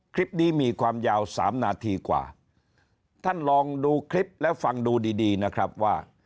คลิปนี้มีความยาวสามนาทีกว่าท่านลองดูคลิปแล้วฟังดูดีดีนะครับว่า